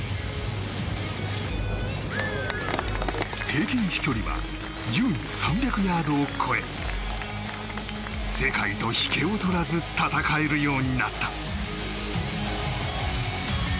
平均飛距離は優に３００ヤードを超え世界と引けを取らず戦えるようになった。